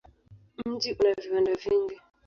Mji una viwanda vingi.